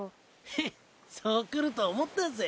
ヘッそうくると思ったぜ。